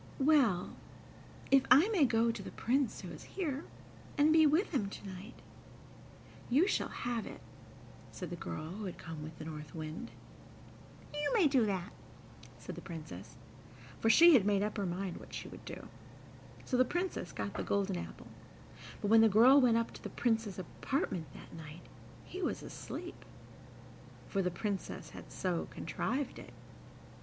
"Well, if I may go to the Prince who is here, and be with him to night, you shall have it," said the girl who had come with the North Wind. "You may do that," said the Princess, for she had made up her mind what she would do. So the Princess got the golden apple, but when the girl went up to the Prince's apartment that night he was asleep, for the Princess had so contrived it.